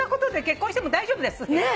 結婚しても大丈夫です。